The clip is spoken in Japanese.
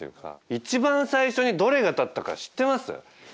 一番最初にどれが建ったか知ってます？